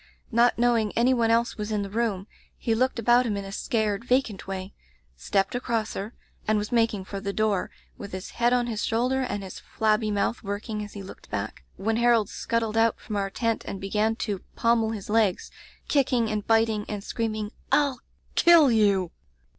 Not knowing any one else was in the room, he looked about him in a scared, vacant way, stepped across her, and was making for the door, with his head on his shoulder and his flabby mouth working as he looked back, when Harold scuttled out from our tent and began to pommel his legs, kicking and bit ing, and screaming, TU kill you!